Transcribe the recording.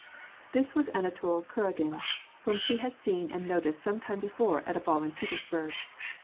This was Anatol Kuragin, whom she had seen and noticed some time before at a ball in Petersburg.